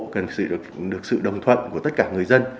cần được sự đồng thuận của tất cả người dân